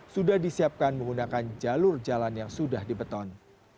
sudah disiapkan menggunakan jalur jalan yang sudah dibeton